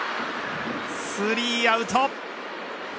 スリーアウト。